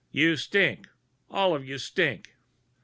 You stink and all of you stink.